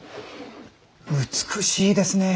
美しいですねえ！